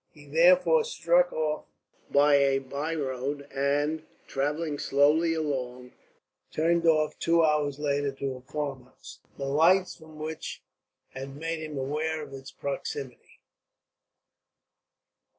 He therefore struck off by a byroad and, travelling slowly along, turned off two hours later to a farmhouse, the lights from which had made him aware of its proximity.